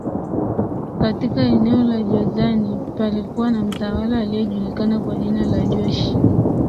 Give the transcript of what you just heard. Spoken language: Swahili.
Katika eneo la Jozani palikuwa na mtawala aliyejulikana kwa jina la Joshi